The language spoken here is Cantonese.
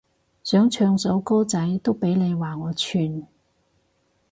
想唱首歌仔都俾你話我串